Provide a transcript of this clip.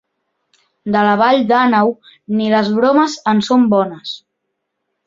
De la vall d'Àneu, ni les bromes en són bones.